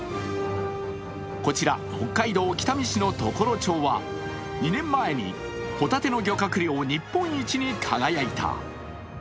こちら北海道北見市の常呂町は、２年前にはホタテの漁獲量日本一に輝いた。